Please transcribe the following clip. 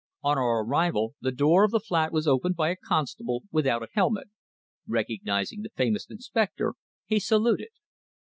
On our arrival the door of the flat was opened by a constable without a helmet. Recognising the famous inspector, he saluted.